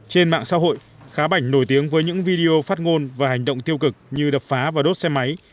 trên mạng xã hội khá bảnh nổi tiếng với những video phát ngôn và hành động tiêu cực như đập phá và đốt xe máy